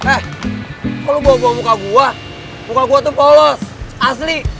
eh kok lu bawa bawa muka gue muka gue tuh polos asli